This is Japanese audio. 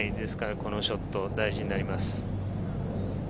このショットは大事になります。